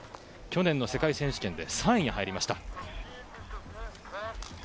去年の世界選手権で３位に入りました。